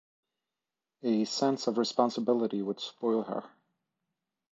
A sense of responsibility would spoil her.